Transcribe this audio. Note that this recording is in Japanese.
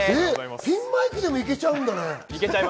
ピンマイクでもいけちゃうんだね。